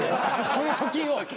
その貯金を。